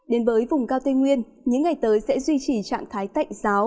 đến với vùng cao tây nguyên những ngày tới sẽ duy trì trạng thái tạnh giáo